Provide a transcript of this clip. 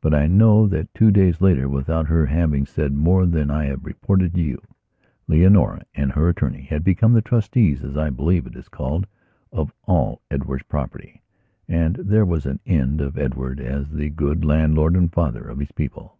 But I know that, two days later, without her having said more than I have reported to you, Leonora and her attorney had become the trustees, as I believe it is called, of all Edward's property, and there was an end of Edward as the good landlord and father of his people.